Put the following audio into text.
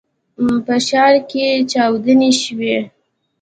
په ښار کې چاودنې شوي.